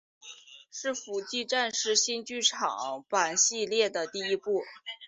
是福音战士新剧场版系列的第一部。